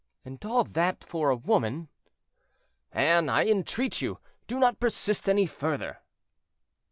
"And all that for a woman?" "Anne, I entreat you, do not persist any further."